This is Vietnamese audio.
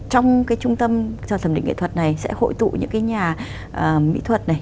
trong cái trung tâm cho thẩm định nghệ thuật này sẽ hội tụ những cái nhà mỹ thuật này